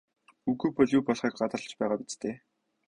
Үгүй бол юу болохыг гадарлаж байгаа биз дээ?